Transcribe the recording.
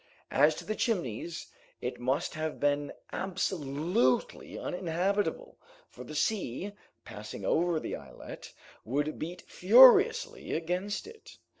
As to the Chimneys, it must have been absolutely uninhabitable, for the sea, passing over the islet, would beat furiously against it.